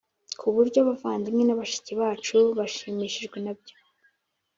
ku buryo abavandimwe na bashiki bacu bashimishijwe nabyo